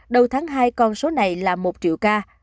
đầu tháng hai con số này là một triệu ca